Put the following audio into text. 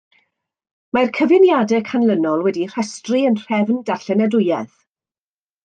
Mae'r cyfuniadau canlynol wedi eu rhestru yn nhrefn darllenadwyedd.